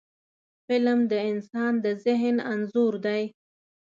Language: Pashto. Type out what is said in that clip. فلم د انسان د ذهن انځور دی